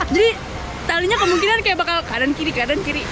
jadi talinya kemungkinan kayak bakal kanan kiri kanan kiri